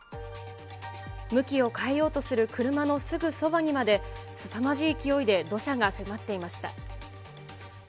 向きを変えようとする車のすぐそばにまで、すさまじい勢いで土砂が迫っていました。